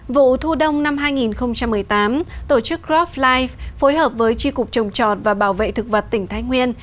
vụ thu đông năm hai nghìn một mươi tám tổ chức croplife phối hợp với tri cục trồng trọt và bảo vệ thực vật tỉnh thái nguyên